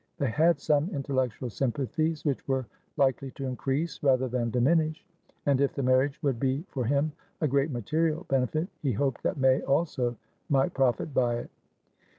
They had some intellectual sympathies, which were likely to increase rather than diminish. And, if the marriage would be for him a great material benefit, he hoped that May also might profit by it.